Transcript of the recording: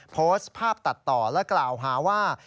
โพสต์ภาพตัดต่อและกล่าวหาว่า